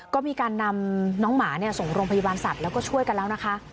ก็มีการนำน้องหมาส่งโรงพยาบาลสัตว์แล้วก็ช่วยกันแล้วนะคะ